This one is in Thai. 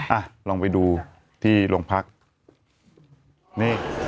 อ่ะลองไปดูที่โรงพักนี่